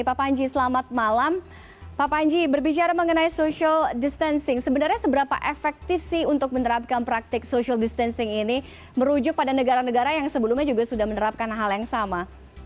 pak panji selamat malam pak panji berbicara mengenai social distancing sebenarnya seberapa efektif sih untuk menerapkan praktik social distancing ini merujuk pada negara negara yang sebelumnya juga sudah menerapkan hal yang sama